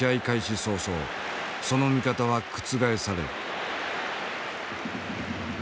早々その見方は覆される。